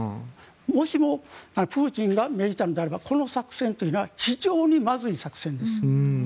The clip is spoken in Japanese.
もしもプーチンが命じたのであればこの作戦というのは非常に悪い作戦です。